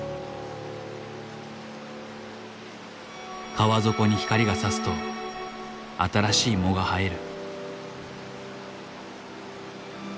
川底に光がさすと新しい藻が生える。